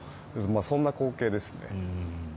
そんな光景ですね。